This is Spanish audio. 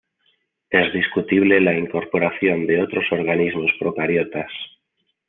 Es discutible la incorporación de otros organismos procariotas.